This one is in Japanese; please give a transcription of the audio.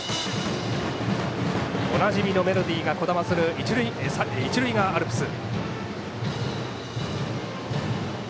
おなじみのメロディーがこだまする、一塁側アルプス。